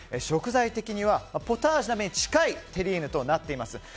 食材的にはポタージュ鍋に近いテリーヌとなっています。